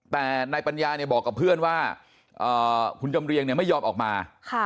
แต่นายปัญญาบอกกับเพื่อนว่าคุณจำเรียงไม่ยอมออกมา